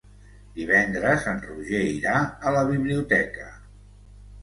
Divendres en Roger irà a la biblioteca.